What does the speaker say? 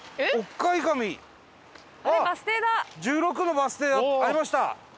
１６のバス停ありました！